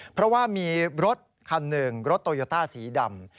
เพราะว่ามีรถคันหนึ่งรถโตโยต้าสีดำ